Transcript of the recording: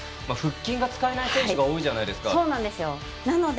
腹筋が使えない選手が多いじゃないですか。